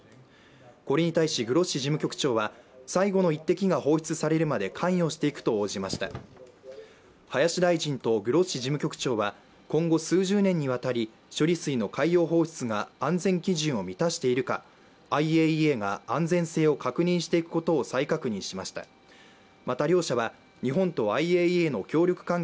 これに対しグロッシ事務局長は最後の一滴が放出されるまで関与していくと応じました林大臣とグロッシ事務局長は今後数十年にわたり処理水の海洋放出が安全基準を満たしているかＩＡＥＡが安全性を確認していくことを再確認しましたえっ！！